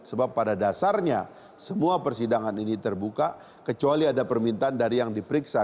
sebab pada dasarnya semua persidangan ini terbuka kecuali ada permintaan dari yang diperiksa